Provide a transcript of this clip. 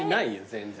全然。